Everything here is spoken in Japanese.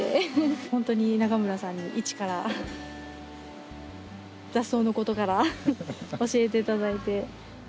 本当に永村さんに一から雑草のことから教えていただいて。